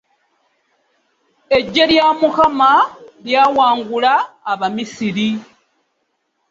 Eggye lya Mukama lyawangula abamisiri.